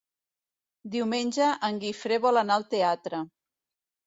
Diumenge en Guifré vol anar al teatre.